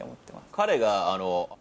彼が。